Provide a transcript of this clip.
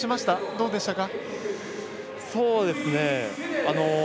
どうでしたか？